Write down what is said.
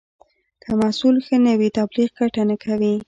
که محصول ښه نه وي، تبلیغ ګټه نه کوي.